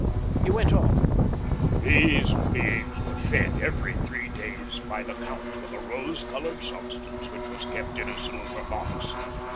He went on. "These beings were fed every three days by the Count with a rose coloured substance which was kept in a silver box.